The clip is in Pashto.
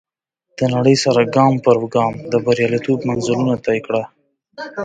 د نړۍ سره ګام پر ګام د برياليتوب منزلونه طی کړه.